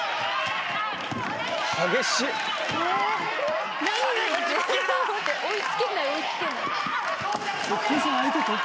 激しい！